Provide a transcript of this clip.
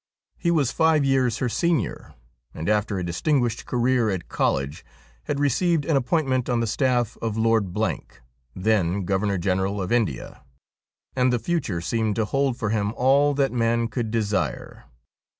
He was five years her senior, and after a distinguished career at college had received an appointment on the staff of Lord , then Governor General of India, and the future seemed to hold for him all that man could desire.